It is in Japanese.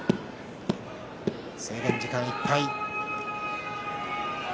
制限時間いっぱい。